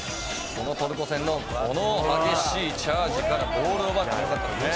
このトルコ戦のこの激しいチャージからボールを奪ったのよかったですね。